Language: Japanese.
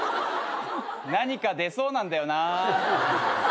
何か出そうなんだよな。